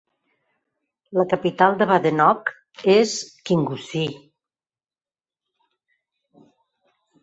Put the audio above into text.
La capital de Badenoch és Kingussie.